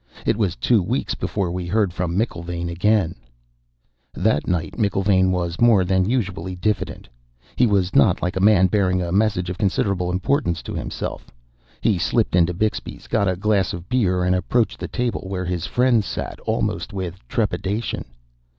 "It was two weeks before we heard from McIlvaine again...." That night McIlvaine was more than usually diffident. He was not like a man bearing a message of considerable importance to himself. He slipped into Bixby's, got a glass of beer, and approached the table where his friends sat, almost with trepidation.